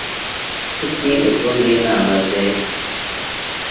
Kuki utumviye inama ze?